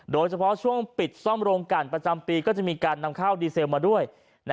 โดยเฉพาะช่วงปิดซ่อมโรงการประจำปีก็จะมีการนำข้าวดีเซลมาด้วย